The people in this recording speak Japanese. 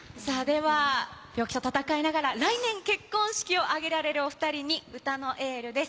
病気と闘いながら来年結婚式を挙げられるお２人に歌のエールです。